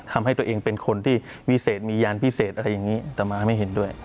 ทำให้ตัวเองเป็นคนที่วิเศษมียานพิเศษอะไรอย่างนี้ต่อมาไม่เห็นด้วย